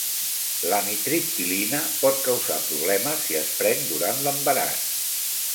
L'amitriptilina pot causar problemes si es pren durant l'embaràs.